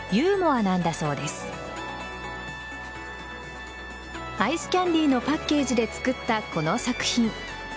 アイスキャンディーのパッケージで作ったこの作品。